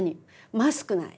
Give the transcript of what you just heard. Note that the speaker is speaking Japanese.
マスクない。